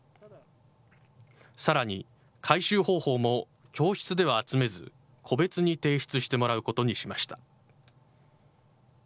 さらに、回収方法も教室では集めず、個別に提出してもらうことにしました。